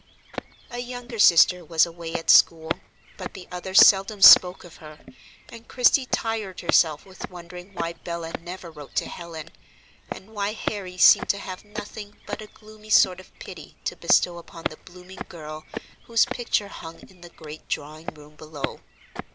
A younger sister was away at school, but the others seldom spoke of her, and Christie tired herself with wondering why Bella never wrote to Helen, and why Harry seemed to have nothing but a gloomy sort of pity to bestow upon the blooming girl whose picture hung in the great drawing room below.